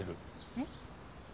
えっ？